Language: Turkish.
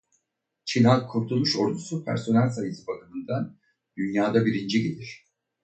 Çin Halk Kurtuluş Ordusu personel sayısı bakımından dünyada birinci gelir.